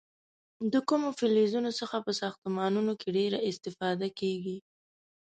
د کومو فلزونو څخه په ساختمانونو کې ډیره استفاده کېږي؟